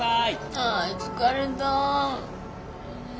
あ疲れた。